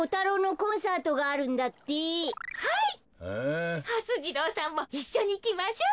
はす次郎さんもいっしょにいきましょう。